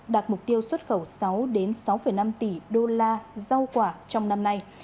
đạt mục tiêu xuất khẩu sáu sáu năm tỷ usd rau quả trong năm nay